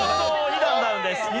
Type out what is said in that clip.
２段ダウンです。